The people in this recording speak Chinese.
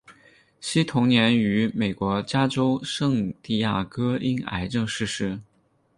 惜同年于美国加州圣地牙哥因癌症逝世。